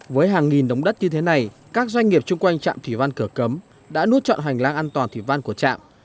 với hàng nghìn đống đất như thế này các doanh nghiệp chung quanh chạm thủy văn cửa cấm đã nuốt chọn hành lang an toàn thủy văn của chạm